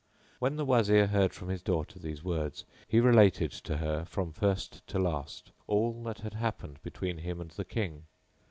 When the Wazir heard from his daughter these words he related to her, from first to last, all that had happened between him and the King.